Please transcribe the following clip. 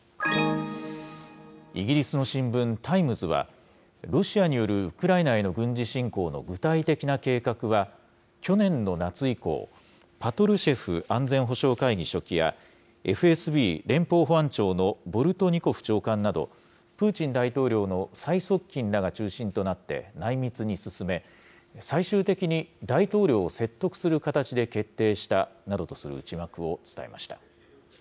イギリスの新聞、タイムズは、ロシアによるウクライナへの軍事侵攻の具体的な計画は、去年の夏以降、パトルシェフ安全保障会議書記や、ＦＳＢ・連邦保安庁のボルトニコフ長官など、プーチン大統領の最側近らが中心となって内密に進め、最終的に大統領を説得する形で決定したなどとする内幕を伝えました。